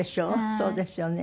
そうですよね。